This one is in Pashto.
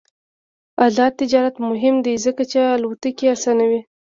آزاد تجارت مهم دی ځکه چې الوتکې اسانوي.